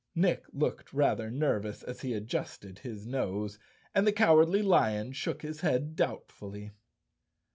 Nick looked rather nervous as he adjusted his nose, and the Cowardly Lion shook his head doubtfully.